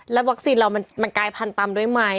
แล้ววาซินเค้ามันกลายพันตัมโดยไหม